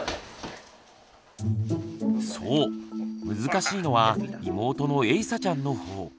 そう難しいのは妹のえいさちゃんの方。